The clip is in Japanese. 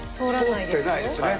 通ってないですね。